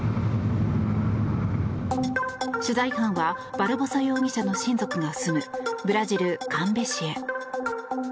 取材班はバルボサ容疑者の親族が住むブラジル・カンベ市へ。